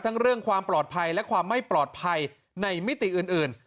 เรื่องความปลอดภัยและความไม่ปลอดภัยในมิติอื่น